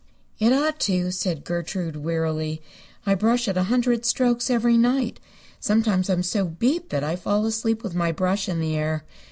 "It ought to," said Gertrude, wearily. "I brush it a hundred strokes every night. Sometimes I'm so beat that I fall asleep with my brush in the air.